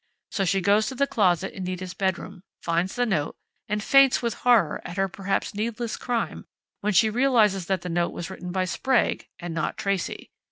So she goes to the closet in Nita's bedroom, finds the note, and faints with horror at her perhaps needless crime when she realizes that the note was written by Sprague, and not Tracey.